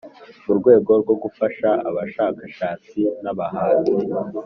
Mu rwego rwo gufasha abashakashatsi nabahanzi